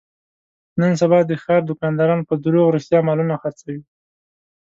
نن سبا د ښاردوکانداران په دروغ رښتیا مالونه خرڅوي.